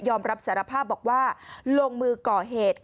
รับสารภาพบอกว่าลงมือก่อเหตุ